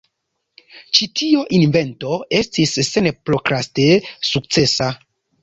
Ĉi tio invento estis senprokraste sukcesa.